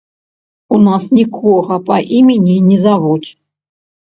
У нас нікога па імені не завуць.